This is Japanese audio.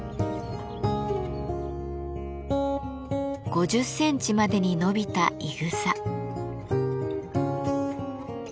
５０センチまでに伸びたいぐさ。